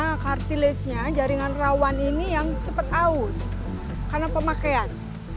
karena kartilege nya jaringan rawan ini yang cepat aus karena pemakaian